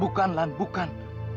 bukan lan bukan